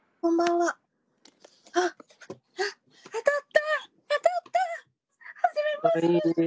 はじめまして！